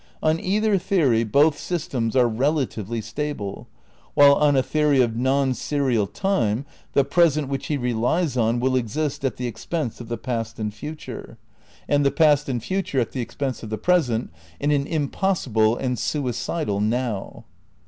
On either theory both systems are relatively stable ; while on a theory of non serial time the present which he re lies on will exist at the expense of the past and future, ' Time and BeaUty. 'The same. 150 THE NEW IDEALISM iv and the past and future at the expense of the present, in an impossible and suicidal now.